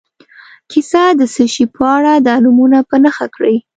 کیسه د څه شي په اړه ده نومونه په نښه کړي.